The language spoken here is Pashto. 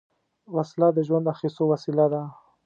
وسله د ژوند اخیستو وسیله ده